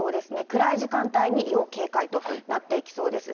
暗い時間帯に要警戒となっていきそうです。